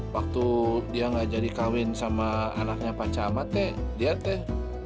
waktu dia nggak jadi kawin sama anaknya pak cama teh dia teh